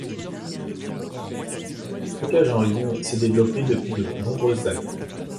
Le stockage en ligne s'est développé depuis de nombreuses années.